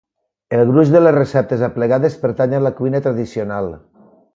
El gruix de les receptes aplegades pertany a la cuina tradicional